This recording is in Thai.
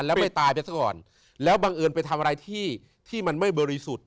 แล้วไม่ตายไปซะก่อนแล้วบังเอิญไปทำอะไรที่ที่มันไม่บริสุทธิ์